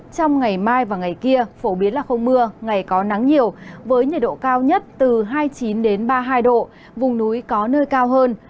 trong ngày mai và ngày kia phổ biến là không mưa ngày có nắng nhiều với nhiệt độ cao nhất từ hai mươi chín ba mươi hai độ vùng núi có nơi cao hơn